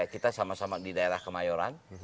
kita sama sama di daerah kemayoran